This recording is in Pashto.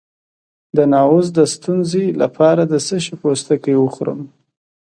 د نعوظ د ستونزې لپاره د څه شي پوستکی وخورم؟